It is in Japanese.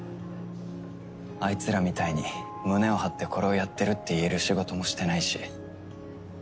あいつらみたいに胸を張ってこれをやってるって言える仕事もしてないし。